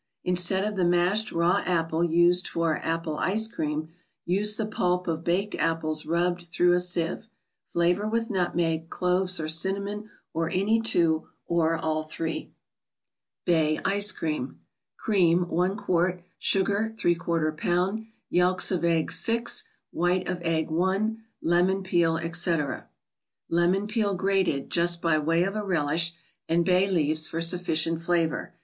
Inste * d J ofthe v ; mashed raw apple used for " Apple Ice Cream," use the pulp of baked apples rubbed through a sieve. Flavor with nut meg, cloves or cinnamon, or any two, or all three. 'Bap 3ice<Crcam. Cream, i qt. ; Sugar, #lb.; Yelks of eggs. 6; White of egg, i ; Lemon peel, etc . Lemon peel grated, just by way of a relish, and bay ICE CREAMS. 23 leaves for sufficient flavor.